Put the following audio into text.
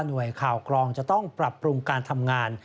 ข่าวกรองจะต้องปรับปรุงการทำงาน